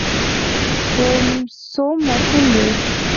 ويم څووم ماشوم دی.